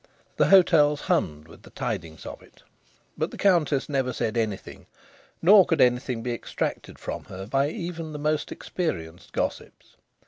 The hotels hummed with the tidings of it. But the Countess never said anything; nor could anything be extracted from her by even the most experienced gossips.